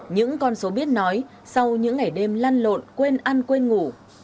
những con số biết nói sau những ngày đêm lăn lộn quên ăn quên ngủ